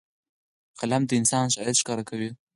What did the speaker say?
قلم د انسان ښایست ښکاره کوي